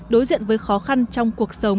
đối diện với khó khăn trong cuộc sống